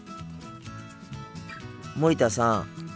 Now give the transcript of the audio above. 森田さん